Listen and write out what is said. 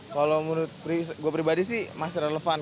kalau menurut gue pribadi sih masih relevan